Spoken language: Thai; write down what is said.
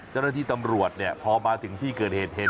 เจ้าหน้าที่ตำรวจเนี่ยพอมาถึงที่เกิดเหตุเห็น